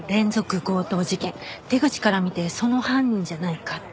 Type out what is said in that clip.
手口から見てその犯人じゃないかって。